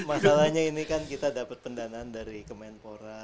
masalahnya ini kan kita dapat pendanaan dari kemenpora